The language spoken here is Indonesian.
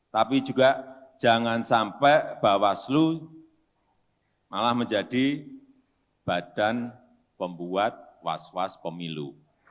tapi juga jangan sampai bawaslu malah menjadi badan pembuat was was pemilu